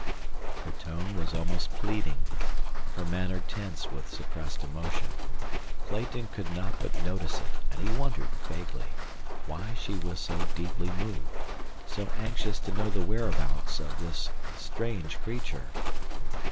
Her tone was almost pleading—her manner tense with suppressed emotion. Clayton could not but notice it, and he wondered, vaguely, why she was so deeply moved—so anxious to know the whereabouts of this strange creature.